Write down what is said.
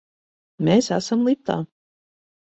Mēs esam liftā!